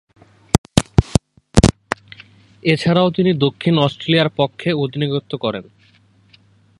এছাড়াও তিনি দক্ষিণ অস্ট্রেলিয়ার পক্ষে অধিনায়কত্ব করেন।